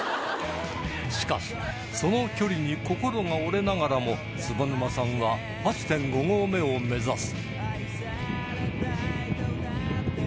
しかしその距離に心が折れながらも坪沼さんは ８．５ 合目を目指す